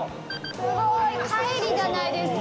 すごい！海里じゃないですか。